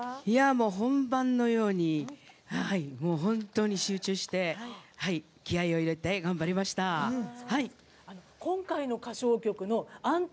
本番のように本当に集中して気合いを入れて頑張りました。